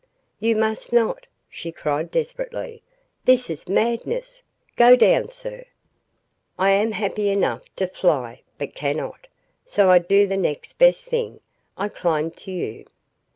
"You must not!" she cried desperately. "This is madness! Go down, sir!" "I am happy enough to fly, but cannot. So I do the next best thing I climb to you."